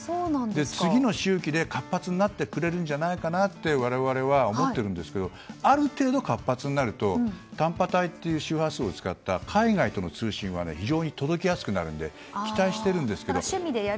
次の周期で活発になってくるんじゃないかと我々は思っているんですけどある程度、活発になると短波帯っていう周波数を使った海外との通信は非常に届きやすくなるので期待しているんですけど。